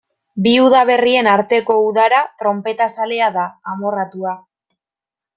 Bi udaberrien arteko udara tronpetazalea da, amorratua.